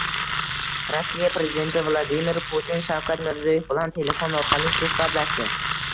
Rossiya prezidenti Vladimir Putin Shavkat Mirziyoyev bilan telefon orqali suhbatlashdi